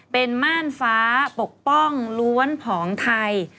เป็นม่านฟ้าปกป้องล้วนผองไทย